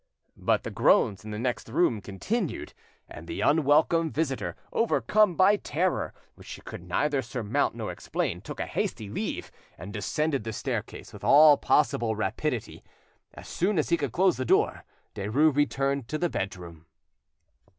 But the groans in the next room continued, and the unwelcome visitor, overcome by terror which she could neither surmount nor explain, took a hasty leave, and descended the staircase with all possible rapidity. As soon as he could close the door, Derues returned to the bedroom.